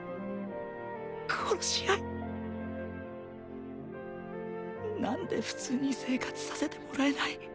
殺し合い何で普通に生活させてもらえない